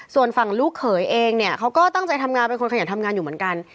ส่วนฝั่งลูกเขยเองเนี่ยเขาก็ตั้งใจทำงานเป็นคนขยันทำงานอยู่เหมือนกัน